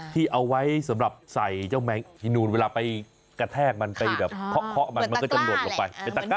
ที่เอาไว้สำหรับใส่เจ้าแมงที่นูนเวลาไปกระแทกมันไปเขาะมันก็จะหน่วนลงไป